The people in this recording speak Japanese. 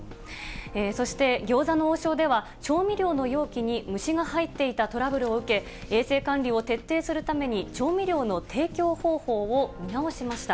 そして、餃子の王将では、調味料の容器に虫が入っていたトラブルを受け、衛生管理を徹底するために、調味料の提供方法を見直しました。